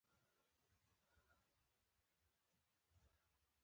ایا ستاسو مخ به سپین نه وي؟